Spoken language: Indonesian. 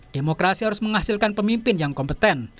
demokrasi harus menghasilkan pemimpin yang kompeten